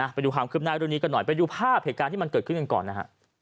ไปดูความคืบหน้าเรื่องนี้กันหน่อยไปดูภาพเหตุการณ์ที่มันเกิดขึ้นกันก่อนนะฮะ